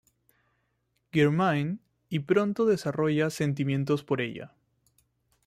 Germain, y pronto desarrolla sentimientos por ella.